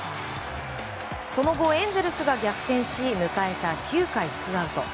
その後、エンゼルスが逆転し迎えた９回ツーアウト。